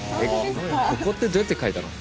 ここってどうやって描いたの？